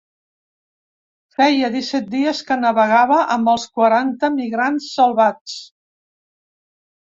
Feia disset dies que navegava amb els quaranta migrants salvats.